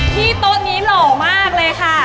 ที่โต๊ะนี้หล่อมากเลยค่ะ